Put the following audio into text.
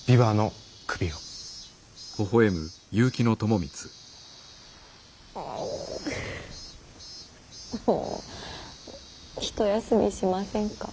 もう一休みしませんか。